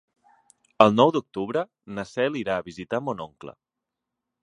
El nou d'octubre na Cel irà a visitar mon oncle.